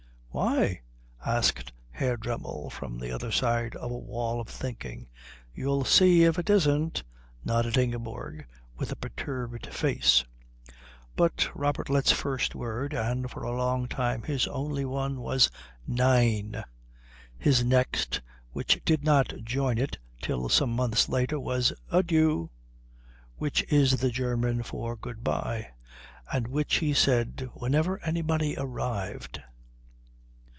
"Why?" asked Herr Dremmel, from the other side of a wall of thinking. "You'll see if it isn't," nodded Ingeborg, with a perturbed face. But Robertlet's first word, and for a long time his only one, was Nein. His next, which did not join it till some months later, was Adieu, which is the German for good bye and which he said whenever anybody arrived.